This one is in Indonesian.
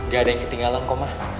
gak ada yang ketinggalan kok mah